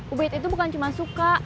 ubid itu bukan cuma suka